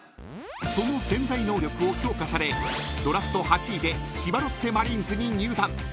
［その潜在能力を評価されドラフト８位で千葉ロッテマリーンズに入団］